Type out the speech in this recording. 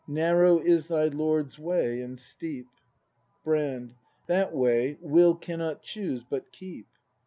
] Narrow is thy Lord's way, and steep. Brand. That way Will cannot choose but keep.